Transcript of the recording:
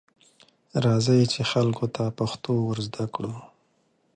راځئ، چې خلکو ته پښتو ورزده کړو.